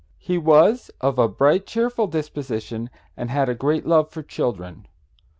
He was of a bright, cheerful disposition, and had a great love for children.